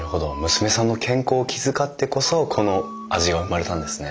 娘さんの健康を気遣ってこそこの味が生まれたんですね。